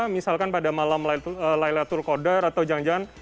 misalkan pada malam laylatul qadar atau jangan jangan